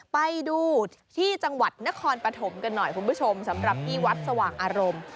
ไปดูที่จังหวัดนครปฐมกันหน่อยคุณผู้ชมสำหรับที่วัดสว่างอารมณ์